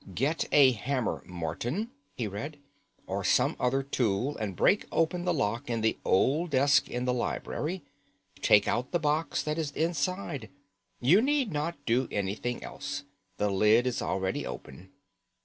"Get a hammer, Morton," he read, "or some other tool, and break open the lock in the old desk in the library. Take out the box that is inside. You need not do anything else. The lid is already open.